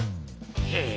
へえ。